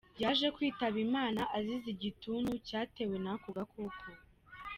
Yaje kwitaba Imana azize igituntu cyatewe n’ako gakoko.